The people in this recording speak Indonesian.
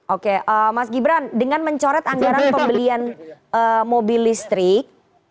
oke mas gibran dengan mencoret anggaran pembelian mobil listrik